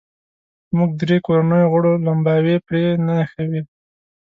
موږ درې کورنیو غړو لمباوې پرې نښوې.